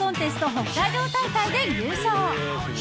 北海道大会で優勝。